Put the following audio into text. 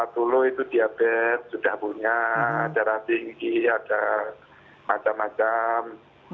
dulu itu diabetes sudah punya darah tinggi ada macam macam